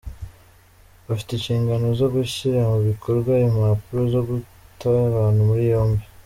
Bafite inshingano zo gushyira mu bikorwa impapuro zo guta abantu muri yombi.